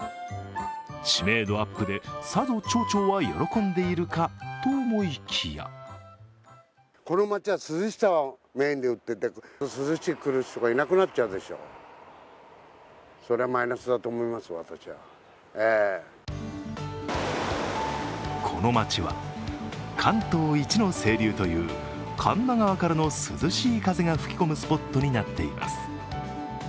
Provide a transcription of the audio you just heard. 知名度アップで、さぞ町長は喜んでいるかと思いきやこの町は関東一の清流という神流川からの涼しい風が吹き込むスポットになっています。